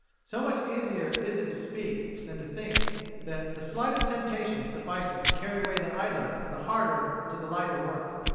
So much easier is it to speak than to think, that any slightest temptation suffices to carry away the idler from the harder to the lighter work.